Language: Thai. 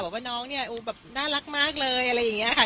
ว่าน้องเนี่ยแบบน่ารักมากเลยอะไรอย่างนี้ค่ะ